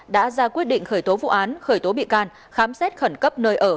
đã ra quyết định khởi tố vụ án khởi tố bị can khám xét khẩn cấp nơi ở